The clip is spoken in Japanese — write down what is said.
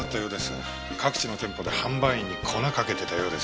各地の店舗で販売員に粉かけてたようです。